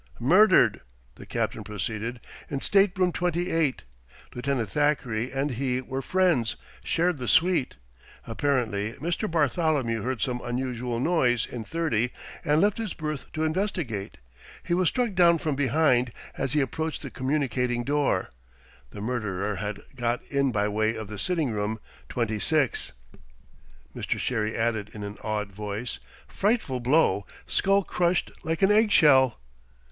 "Murdered," the captain proceeded, "in Stateroom 28. Lieutenant Thackeray and he were friends, shared the suite. Apparently Mr. Bartholomew heard some unusual noise in 30 and left his berth to investigate. He was struck down from behind as he approached the communicating door. The murderer had got in by way of the sitting room, 26." Mr. Sherry added in an awed voice: "Frightful blow skull crushed like an eggshell."